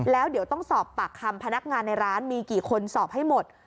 แล้วเดี๋ยวต้องสอบปากคำพนักงานในร้านมีกี่คนสอบให้หมด